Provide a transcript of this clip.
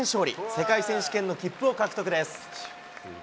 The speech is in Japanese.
世界選手権の切符を獲得です。